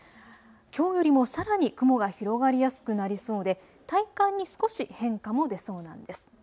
きょうよりもさらに雲が広がりやすくなりそうで体感に少し変化も出そうなんです。